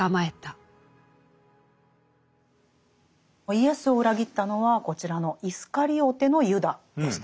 イエスを裏切ったのはこちらのイスカリオテのユダでしたね。